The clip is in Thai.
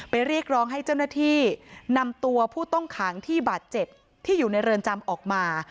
เรียกร้องให้เจ้าหน้าที่นำตัวผู้ต้องขังที่บาดเจ็บที่อยู่ในเรือนจำออกมา